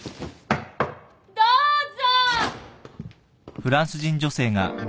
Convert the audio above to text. ・どうぞ。